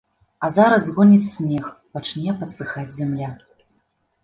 А зараз згоніць снег, пачне падсыхаць зямля.